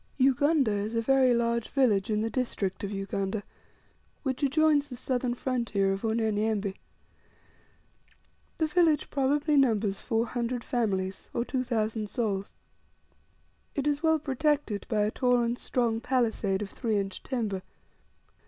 Ugunda is a very large village in the district of Ugunda, which adjoins the southern frontier of Unyanyembe. The village probably numbers four hundred families, or two thousand souls. It is well protected by a tall and strong palisade of three inch timber.